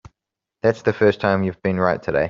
That's the first time you've been right today.